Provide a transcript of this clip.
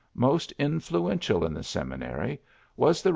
Most in fluential in the seminary was the Eev.